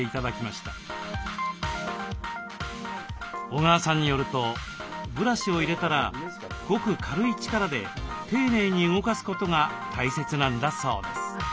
小川さんによるとブラシを入れたらごく軽い力で丁寧に動かすことが大切なんだそうです。